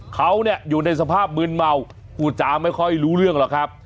เขาเนี่ยอยู่ในสภาพมืนเมาพูดจาไม่ค่อยรู้เรื่องหรอกครับ